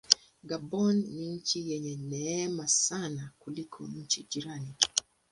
Gabon ni nchi yenye neema sana kuliko nchi jirani.